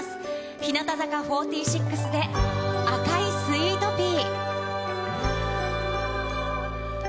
日向坂４６で赤いスイトピー。